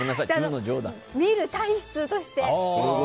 見る体質として。